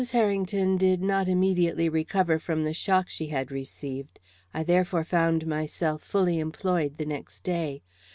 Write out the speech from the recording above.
Harrington did not immediately recover from the shock she had received. I therefore found myself fully employed the next day.